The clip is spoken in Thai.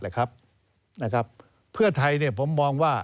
เทพเทศผมมองว่า